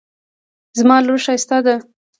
زما لور ښایسته ده